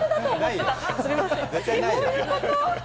絶対ないよ。